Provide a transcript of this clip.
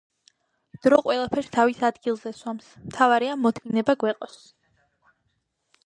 დრო ყველასფერს თავის ადგილზე სვამს, მთავარია მოთმინება გვეყოს